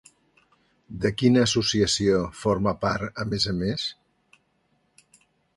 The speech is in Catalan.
De quina associació forma part a més a més?